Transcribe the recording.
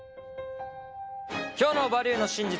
今日の「バリューの真実」